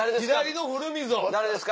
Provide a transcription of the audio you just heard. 誰ですか？